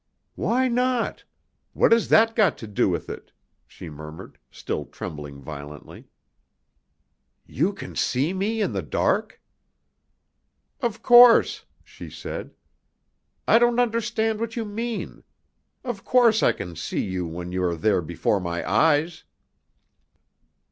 "Why not? What has that got to do with it?" she murmured, still trembling violently. "You can see me in the dark?" "Of course," she said. "I don't understand what you mean. Of course I can see you when you are there before my eyes."